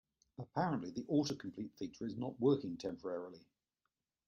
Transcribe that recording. Apparently, the autocomplete feature is not working temporarily.